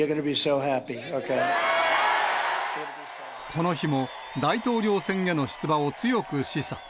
この日も、大統領選への出馬を強く示唆。